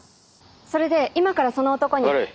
それで今からその男に。